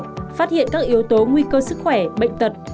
phát hiện các yếu tố nguy cơ sức khỏe bệnh tật